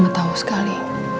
mama tahu sekali